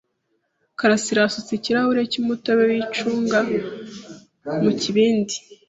Karasirayasutse ikirahuri cy'umutobe w'icunga mu kibindi.